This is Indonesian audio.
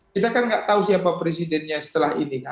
kita kan gak tahu siapa presidennya setelah ini kan